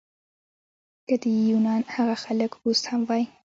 که د یونان هغه خلک اوس هم وای.